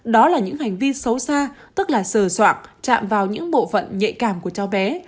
đó là những hành vi xấu xa tức là sờ soạn chạm vào những bộ phận nhạy cảm của cháu bé